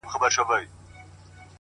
• کومول زړه نا زړه سو تېر له سر او تنه,